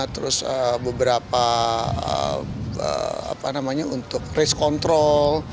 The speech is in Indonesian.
terus beberapa apa namanya untuk race control